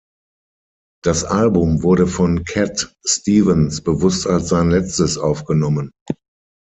Das Album wurde von Cat Stevens bewusst als sein letztes aufgenommen.